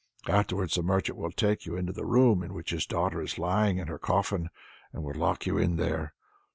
Afterwards the merchant will take you into the room in which his daughter is lying in her coffin, and will lock you in there.